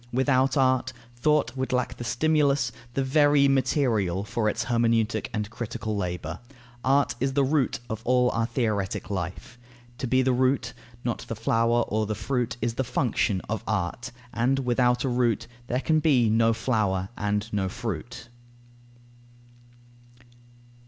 Without art, thought would lack the stimulus, the very material, for its hermeneutic and critical labour. Art is the root of all our theoretic life. To be the root, not the flower or the fruit, is the function of art. And without a root, there can be no flower and no fruit.